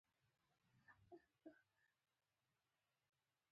دلته به ایټالویان نه وي؟ په ګمرکي ښارونو کې تل دواړه خواوې وي.